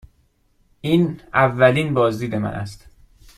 این اولین بازدید من است.